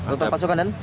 total pasukan dan